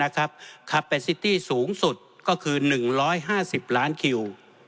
ขับเป็นซิตี้สูงสุดก็คือ๑๕๐ล้านคิว